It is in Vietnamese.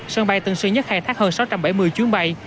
sân bay tân sơn nhất khai thác hơn sáu trăm bảy mươi chuyến bay